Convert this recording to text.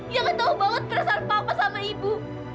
ya gak tau banget perasaan papa sama ibu